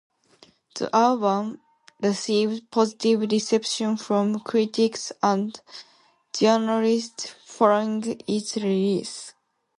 The album received positive reception from critics and journalists following its release.